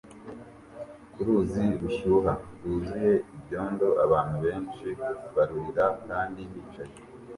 Ku ruzi rushyuha rwuzuye ibyondo abantu benshi barurira kandi bicaye